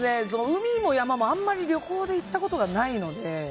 海も山も、あんまり旅行で行ったことがないので。